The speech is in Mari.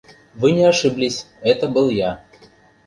Вы не ошиблись: это был я.